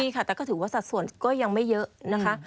ใช่ค่ะแต่ก็ถือว่าสัดส่วนก็ยังไม่เยอะนะคะ